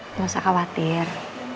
nggak usah khawatir